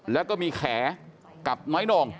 แล้วก็มีแขกับน้อยหน่ง